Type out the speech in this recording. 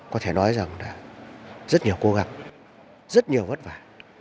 có thể nói rằng là rất nhiều cố gắng rất nhiều vất vả